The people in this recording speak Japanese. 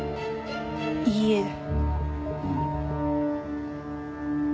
いいえ。